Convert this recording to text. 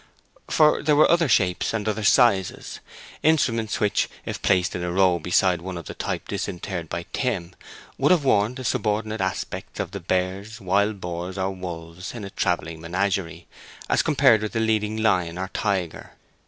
For there were other shapes and other sizes, instruments which, if placed in a row beside one of the type disinterred by Tim, would have worn the subordinate aspect of the bears, wild boars, or wolves in a travelling menagerie, as compared with the leading lion or tiger.